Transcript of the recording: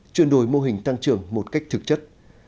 chuyển đổi mô hình tăng trưởng một cách thực chất